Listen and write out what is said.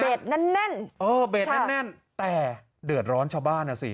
แน่นแน่นเออเบสแน่นแน่นแต่เดือดร้อนชาวบ้านอ่ะสิ